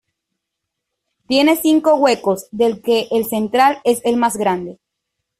Tiene cinco huecos, del que el central es el más grande.